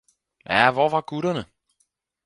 Ja, hvor var gutterne.